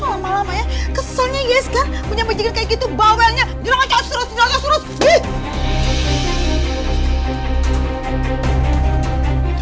sumpah lama lamanya keselnya yes kan menyampe jikin kayak gitu bawelnya jelak jelak surut jelak jelak surut